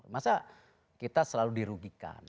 masa kita selalu dirugikan